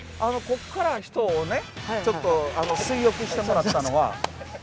ここから人をねちょっと水浴してもらったのは。